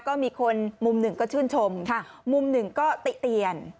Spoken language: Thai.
ก็มีคนมุมหนึ่งก็ชื่นชมมุมหนึ่งก็ติเตียน